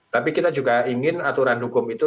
tapi kita juga ingin aturan hukum itu